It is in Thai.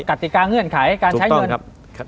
กติกาเงื่อนไขการใช้เงิน